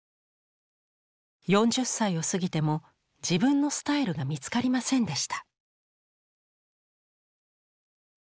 ４０歳を過ぎても自分のスタイルが見つかりませんでした。